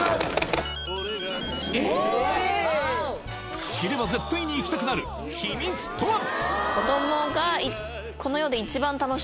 えっ知れば絶対に行きたくなる秘密とは？